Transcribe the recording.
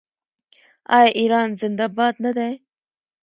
آیا ایران زنده باد نه دی؟